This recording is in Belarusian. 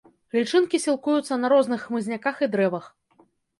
Лічынкі сілкуюцца на розных хмызняках і дрэвах.